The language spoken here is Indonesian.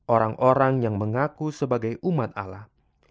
orang orang yang mengaku sebagai umat alam